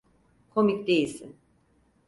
Komik değilsin.